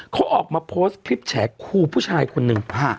เขาออกมาโพสต์คลิปแฉครูผู้ชายคนหนึ่ง